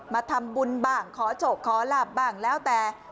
มาทำบุญบ้างขอโชคขอลาบบ้างแล้วแต่